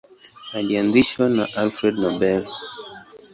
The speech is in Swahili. Ilianzishwa na Alfred Nobel.